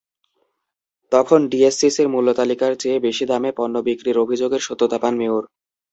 তখন ডিএসসিসির মূল্যতালিকার চেয়ে বেশি দামে পণ্য বিক্রির অভিযোগের সত্যতা পান মেয়র।